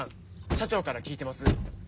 社長から聞いてます。